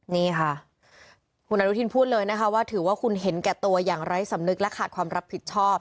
นี่ค่ะคุณอนุทินพูดเลยนะคะว่าถือว่าคุณเห็นแก่ตัวอย่างไร้สำนึกและขาดความรับผิดชอบ